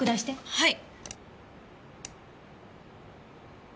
はい。